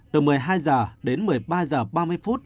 từ một mươi hai h đến một mươi ba h ba mươi phút